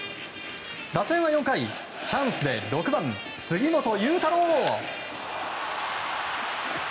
打線は４回チャンスで６番、杉本裕太郎。